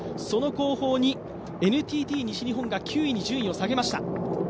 その後方にＮＴＴ西日本が９位に順位を下げました。